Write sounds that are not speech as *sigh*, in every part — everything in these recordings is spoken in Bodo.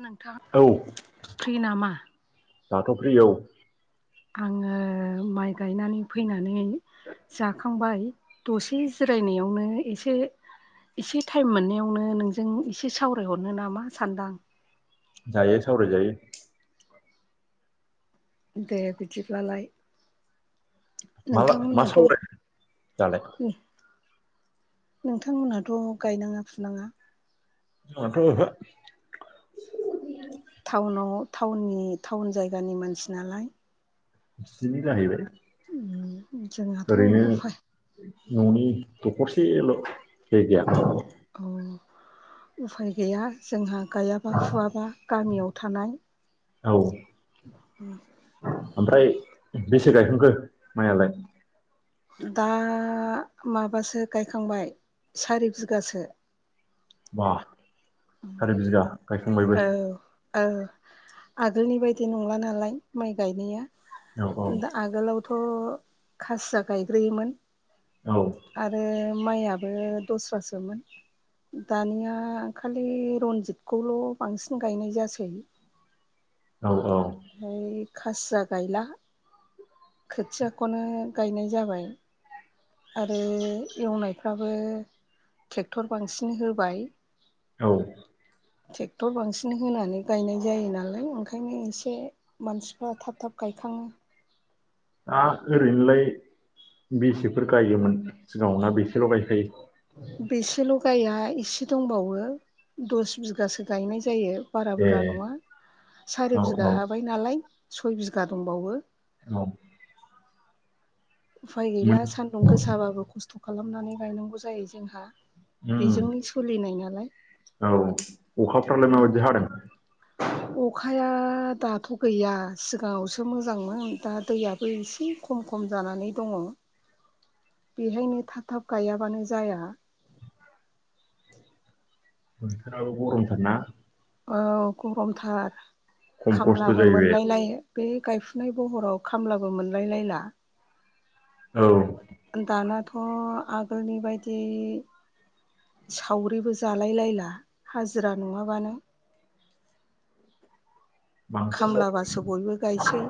नोंथां औ फ्रि नामा? दाथ' फ्रि औ आङो माइ गायनानै फैनानै जाखां खांबाय दसे जिरायनायावनो एसे एसे टाइम मोननायावनो नोंजों एसे सावरायहरनो नामा सानदां जायो सावराय जायो दे बिदिब्लालाय माला मा नोंथांमोनहाथ' सावराय दालाय नोंथांमोनहाथ' गायनाङा फुनाङा जाथ' ओहो टाउनाव टाउननि टाउन जायगानि मानसि नालाय सिनि जाहैबाय जोंहथ' ओरैनो उफाय न'नि दखरसेल' जाय गैया औ उफाय गैया जोंहा गायाबा फुवाबा गामियाव थानाय औ ओ ओमफ्राय बेसे गायखांखो माइयालाय दा माबासो गायखांबाय सारि बिगासो बा सारि बिगा गायखांबायबो ओ आगोलनि बायदि नंला नालाय माइ गायनाया औ औ दा आगोलाव थ' खासिया गायग्रोयोमोन औ आरो माइयाबो द'स्रासोमोन दानिया खालि रनजितखौल' बांसिन गायनाय जासै औ औ ओमफ्राय खासिया गायला खोथियाखौनो गायनाय जाबाय आरो एवनायफ्राबो ट्रेक्टर बांसिन होबाय औ ट्रेक्टर बांसिन होनानै गायनाय जायो नालाय ओंखायनो एसे मानसिफ्रा थाब थाब गाय खााङो दा ओरैनोलाय बेसेफोर गायोमोन सिगाङाव ना बेसे ल' गायखायो बेसेल' गाया एसे दंबावो दस बिगासो गायनाय जायो बारा ए बुरजा नङा औ सारि औ बिघा हाबाय नालाय सय बिघा दंबावो औ उफाय मोन गैला सान्दुं गोसाबाबो खस्थ' खालामनानै गायनांगौ जायो जोंहा उम बेजोंनो सोलिनाय नालाय औ अखा फ्रालाय मा बादि हादों दा दाथ' गैया सिगाङावसो मोजांमोन दा दैयाबो एसे खम- खम जानानै दङ बेहायनो थाब- थाब गायाबानो जाया बोथोराबो गरमथार ना औ गरमथार खम खस्थ' खामलाबो जायो बे मोनलाय लायो बे गायफुनाय बहराव खामला बो मोनलायलायला औ दानाथ' आगोलनि बायदि सावरिबो जालायलायला हाजिरा नङाबानो बांसिन खामलाबासो बयबो गायसै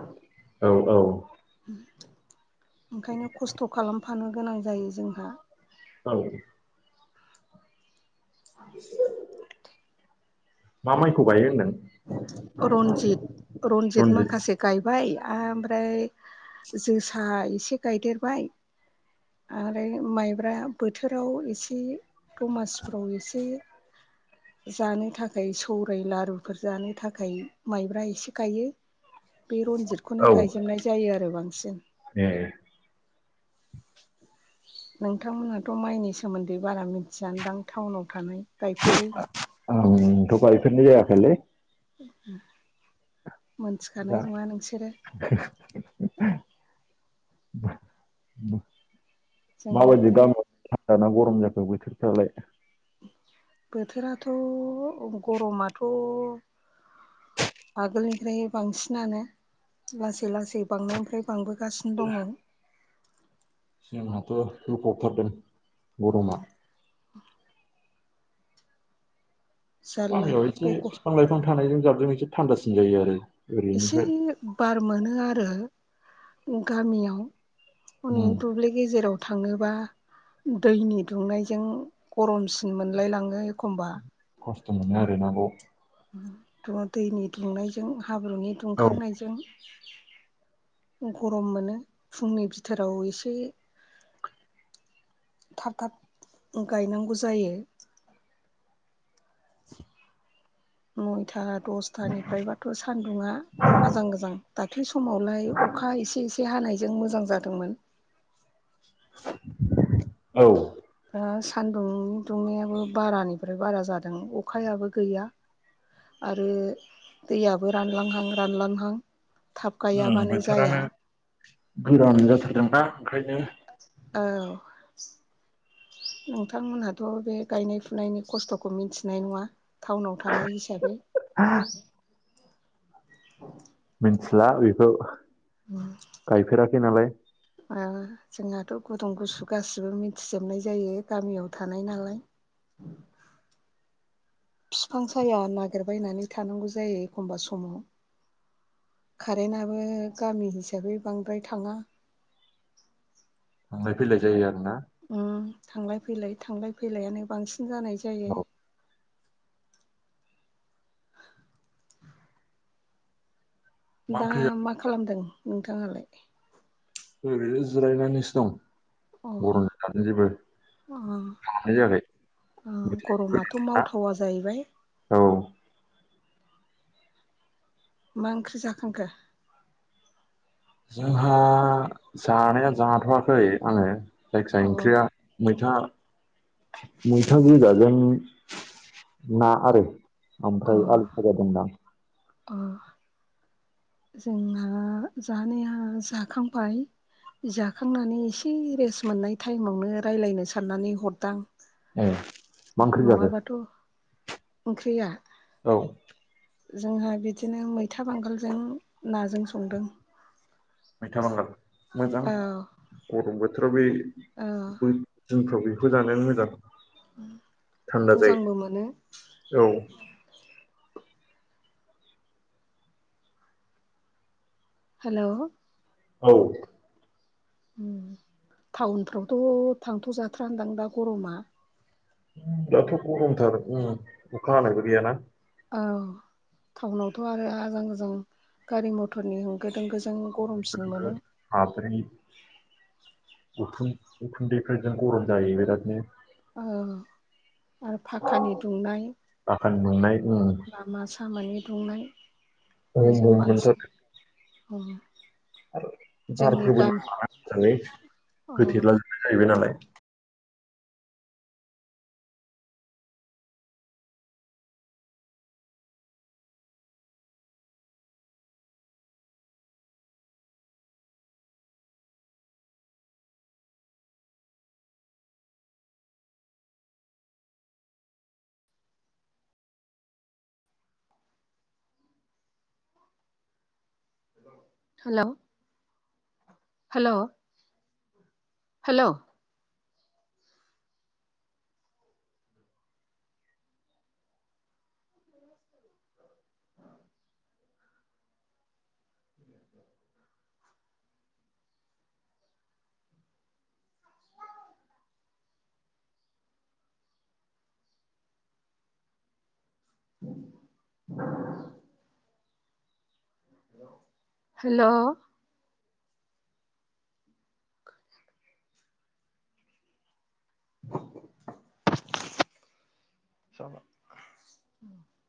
औ औ ओंखायनो खस्थ' खालामफानो गोनां जायो जोंहा औ मा माइखौ गायो होनदों रनजित -रनजित माखासे गायबाय ओमफ्राय जोसा एसे गायदेरबाय आरो माइब्रा बोथोराव एसे दमासिफ्राव एसे जानो थाखाय सौराय लारु फोर जानो थाखाय माइब्रा एसे गायो बे रनजितखौनो औ गायजोबनाय जायो आरो बांसिन ए नोंथांमोनहाथ' माइनि सोमोन्दै बारा मिथियादां टाउनाव थानाय गायफेरै आंथ गायफोरनाय जायाखैलै *inaudible* *unintelligible* *inaudible* मोनथिखानाय दा नङा नोंसोरो *unintelligible* जोंहा माबादि दामा? दाना गरम जाखो बोथोर फ्रालाय? बोथोराथ' गरमाथ' आगोल निफ्राय बांसिनानो लासै लासै बांनायनिफ्राय बांबो गासिनो दङ। जोंहाथ' होफब थारदों गरमा। मा? जारला गामियाव बे एसे बिफां लाइफां थानायजों जाबजों एसे थान्दासिन जायो आरो। एसे ओरैनिफ्राय बार मोनो आरो गामियाव। हनै उम दुब्लि गेजेराव थाङोबा दैनि दुंनायजों गरमसिन मोनलाय लाङो। खमबा दुङो आरो नांगौ। थ' दैनि दुंनायजों हाब्रुनि औ दुंखांनायजों गरम मोनो फुंनि बिथोराव एसे थाब थाब गायनांगौ जायो। *unintelligible* नयथा दसथा निफ्राय बाथ' सान्दुङा आजां गोजां दाख्लै स समावलाय अखा एसे एसे हानायजों मोजां जादोंमोन। औ। दा सानदुं दुंनाययाबो बारानिफ्राय बारा जादों अखायाबो गैया आरो दैयाबो रानलां हां रानलां हां। थाब गायाबानो जाया। बोथोरानो गोरान जाथारदों दा ओंखायनो। औ। नोंथां मोनहाथ' बे गायनाय फुनायनि खस्थखौ मिन्थिनाय नङा? थाउनाव थानाय हिसाबै। मिन्थिला बेखौ गायफेराखै नालाय। ओ जोंहाथ' गुदुं गुसु गासिबो मिथि जोबनाय जायो गामियाव थानाय नालाय। *unintelligible* फिफां साया नागिरबायनानै थानांगौ जायो एखमबा समाव। कारेन्ट आबो गामि हिसाबै बांद्राय थांङा। थांलाय फैलाय जायो आरो ना? उम थांलाय फैलाय थांलाय फैलायानो बांसिन जानाय जायो। औ मा दा ओंख्रि जाखो? मा खालामदों नोंथाङा लाय? ओरैनो जिरायनानै सो दं। अ गरमनि खायनो जेबो खालामनाय जायाखै। औ गरमाथ' मावथावा जाहैबाय। औ मा ओंख्रि जाखांखो? जोंहा जानाया जाथ'वाखै आङो। जायखिया अ ओंख्रिया मैथा मैथा गाजा जों ना आरो अ ओमफ्राय आलु फाजा दंदां। अ जों ना जानाया जाखांबाय जाखांनानै एसे रेस्ट मोननाय थाइमावनो रायज्लायनो साननानै हरदां। ए मा ओंख्रि जाखो नङाबाथ' ओंख्रिया औ। जोंहा बिदिनो मैथा बांगालजों नाजों संदों। मैथा बांगाल मोजां औ गरम बोथोराव बे औ उम दिनफ्राव बेखौ जानायानो मोजां थान्दा मोजांबो मोनो जायो औ हेल' औ उम टाउनफ्रावथ' थांथ' जाथ्रा दां दा गरमा दाथ' ग'रमथार ओम अखा हानायबो गैया ना औ टाउनावथ' आरो आजां गजां गारि मथरनि होंगो दोंग माब्रेनि *unintelligible* उखुन्दैफोरजों ग'रम जायो बिरादनो औ आर फाखानि दुंनाय आखान्द मोननाय उम लामा सामानि दुंनाय हम हम बेजों बांसिन ओम आर बारफोरबो नांला ना मोजाङै अ होथेला जोबनाय जाहैबाय नालाय हेलौ हेलौ हेल' *unintelligible* हेल' *unintelligible*